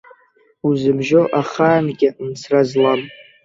Узымжьо, ахаангьы мцра злам.